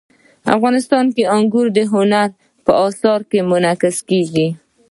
افغانستان کې انګور د هنر په اثار کې منعکس کېږي.